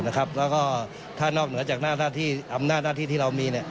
แล้วก็ถ้านอกเหนือจากหน้าที่อำนาจหน้าที่ที่เรามี